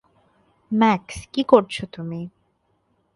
Max, কি করছো তুমি?